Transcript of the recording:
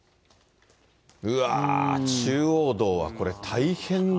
うわー、中央道はこれ大変だ。